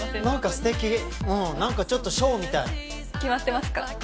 何か素敵うん何かちょっとショーみたい決まってますか？